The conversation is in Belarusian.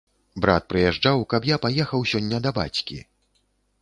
Брат прыязджаў, каб я паехаў сёння да бацькі.